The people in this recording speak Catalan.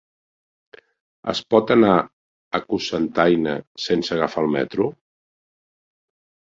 Es pot anar a Cocentaina sense agafar el metro?